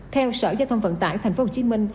theo sở giao thông vận tải thành phố hồ chí minh